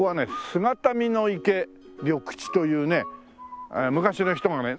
姿見の池緑地というね昔の人がね